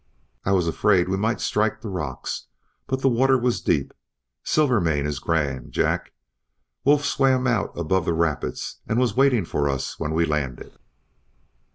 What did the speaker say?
I was afraid we might strike the rocks, but the water was deep. Silvermane is grand, Jack. Wolf swam out above the rapids and was waiting for us when we landed."